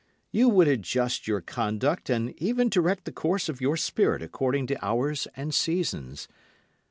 You would adjust your conduct and even direct the course of your spirit according to hours and seasons.